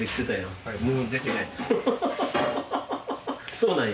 そうなんや。